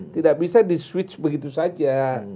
tidak bisa diswitch begitu saja